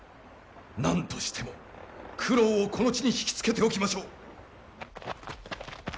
何としても九郎をこの地に引き付けておきましょう！